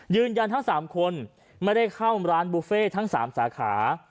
ยืนยันทั้ง๓คนไม่ได้เข้าร้านบุฟเฟ่ทั้ง๓สาขา